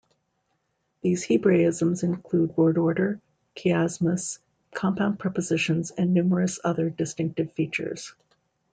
These hebraisms include word order, chiasmus, compound prepositions, and numerous other distinctive features.